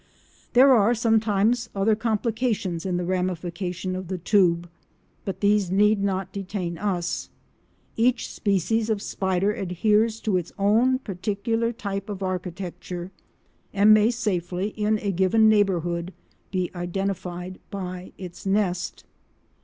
There are sometimes other complications in the ramification of the tube, but these need not detain us. Each species of spider adheres to its own particular type of architecture, and may safely—in a given neighbourhood—be identified by its nest.